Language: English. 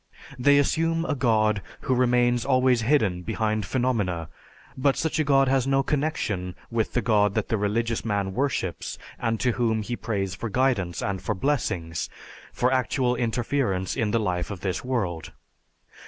They assume a god who remains always hidden behind phenomena, but such a god has no connection with the God that the religious man worships and to whom he prays for guidance and for blessings, for actual interference in the life of this world.